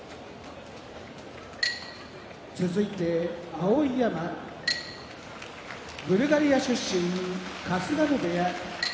碧山ブルガリア出身春日野部屋